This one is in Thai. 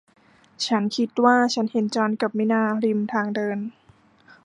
ฉันคิดว่าฉันเห็นจอห์นกับมินาริมทางเดิน